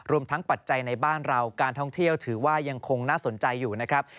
รวมทั้งปัจจัยในบ้านเราการท่องเที่ยวถือว่ายังคงน่าสนใจอยู่นะครับ